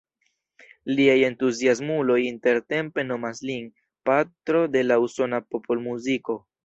Liaj entuziasmuloj intertempe nomas lin „patro de la usona popolmuziko“.